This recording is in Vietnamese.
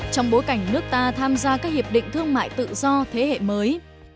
trong bối cảnh nước ta tham gia các hiệp định thương mại tự do thế hệ mới